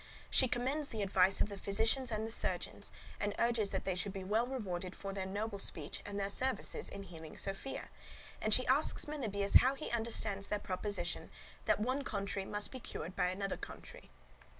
She commends the advice of the physicians and surgeons, and urges that they should be well rewarded for their noble speech and their services in healing Sophia; and she asks Melibœus how he understands their proposition that one contrary must be cured by another contrary.